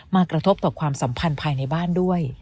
กระทบต่อความสัมพันธ์ภายในบ้านด้วย